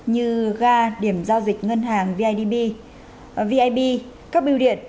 như ga điểm giao dịch ngân hàng vip các biêu điện